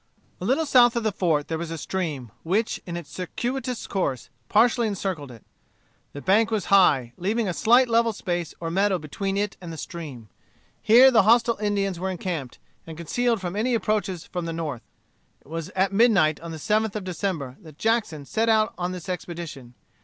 A little south of the fort there was a stream, which, in its circuitous course, partially encircled it. The bank was high, leaving a slight level space or meadow between it and the stream. Here the hostile Indians were encamped, and concealed from any approaches from the north. It was at midnight, on the 7th of December, that Jackson set out on this expedition.